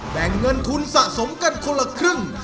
แบ่งเงินทุนสะสมกันคนละครึ่ง